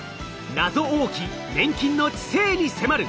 謎多き粘菌の知性に迫る。